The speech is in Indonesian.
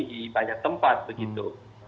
di banyak tempat begitu